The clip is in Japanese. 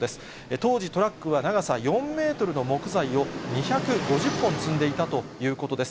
当時、トラックは長さ４メートルの木材を２５０本積んでいたということです。